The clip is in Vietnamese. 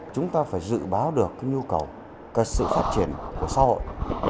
chúng ta phải dự báo được cái nhu cầu cái sự phát triển của xã hội